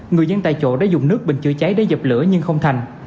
người dân tại chỗ đã dùng nước bình chữa cháy để dập lửa nhưng không thành